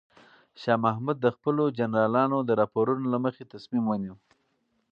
شاه محمود د خپلو جنرالانو د راپورونو له مخې تصمیم ونیو.